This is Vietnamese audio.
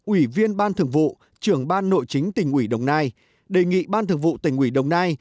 ủy viên ban thường vụ trưởng ban nội chính tỉnh ủy đồng nai đề nghị ban thường vụ tỉnh ủy đồng nai